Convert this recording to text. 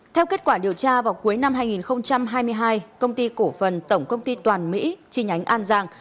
theo kết quả điều tra vào cuối năm hai nghìn hai mươi hai công ty cổ phần tổng công ty toàn mỹ chi nhánh an giang